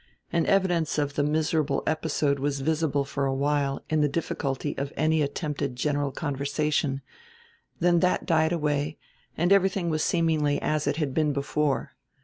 An evidence of the miserable episode was visible for a while in the difficulty of any attempted general conversation; then that died away and everything was seemingly as it had been before.